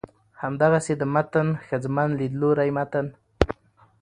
همدغسې د متن ښځمن ليدلورى متن